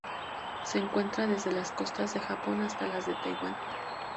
Se encuentra desde las costas de Japón hasta las de Taiwán.